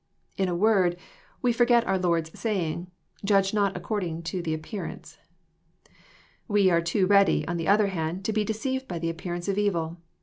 — In a word, we forget our Lord's saying, —^' Judge not according to the appearance/' We are too ready, on the other hand, to be deceived by the appearance of evil.